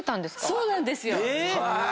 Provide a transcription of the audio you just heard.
そうなんですよ。